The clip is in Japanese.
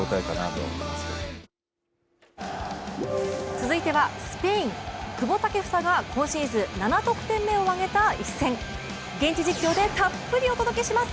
続いてはスペイン久保建英が今シーズン７得点目を挙げた一戦、現地実況でたっぷりお届けします。